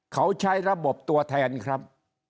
เขาใช้ระบบตัวแทนครับ